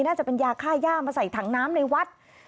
น่าจะเป็นยาค่าย่ามาใส่ถังน้ำในวัด